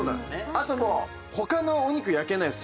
あともう他のお肉焼けないです。